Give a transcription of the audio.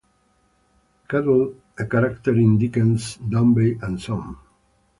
Cuttle, a character in Dickens' "Dombey and Son".